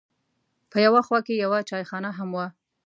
په یوه خوا کې یوه چایخانه هم وه.